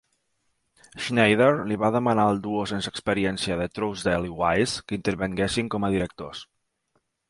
Schneider li va demanar al duo sense experiència de Trousdale i Wise que intervinguessin com a directors.